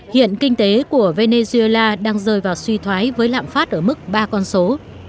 hiện kinh tế của venezuela đang rơi vào suy thoái với lạm phát ở mức ba con số